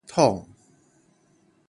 捅